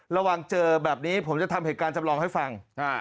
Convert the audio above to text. ระวังเจอแบบนี้ผมจะทำเหตุการณ์จำลองให้ฟัง